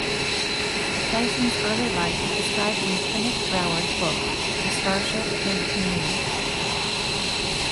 Dyson's early life is described in Kenneth Brower's book The Starship and the Canoe.